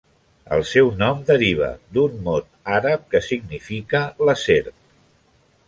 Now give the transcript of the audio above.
El seu nom deriva d'un mot àrab que significa la Serp.